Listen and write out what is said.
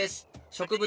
植物